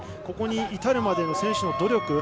ここに至るまでの選手の努力。